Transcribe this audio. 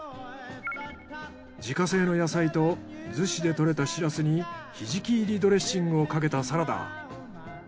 自家製の野菜と逗子で獲れたシラスにひじき入りドレッシングをかけたサラダ。